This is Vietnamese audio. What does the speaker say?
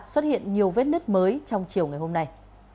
xuất hiện nhiều vết nứt mới trong chiều ngày hôm nay